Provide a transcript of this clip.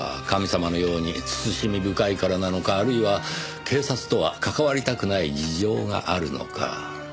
神様のように慎み深いからなのかあるいは警察とは関わりたくない事情があるのか。